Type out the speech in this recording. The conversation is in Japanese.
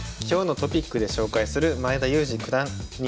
今日のトピックで紹介する前田祐司九段